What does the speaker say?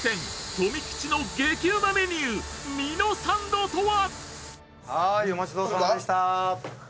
富吉の激うまメニューミノサンドとは？